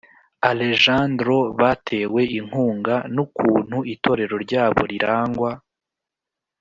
Alejandro batewe inkunga n ukuntu itorero ryabo rirangwa